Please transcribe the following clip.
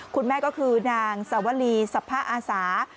คุณแม่ก็คือนางสวรีสรรพะอาสา